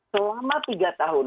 selama tiga tahun